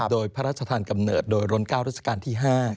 โดยพระราชทานกำเนิดโดยล้น๙รัชกาลที่๕